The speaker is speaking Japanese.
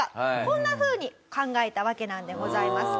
こんなふうに考えたわけなんでございます。